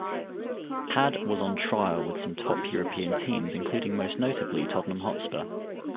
Had was on trial with some top European teams including most notably Tottenham Hotspur.